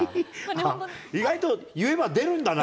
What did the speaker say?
意外と言えば出るんだな。